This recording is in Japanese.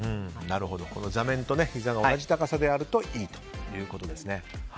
座面とひざが同じ高さであるといいということです。